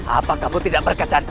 apa kamu tidak berkecantik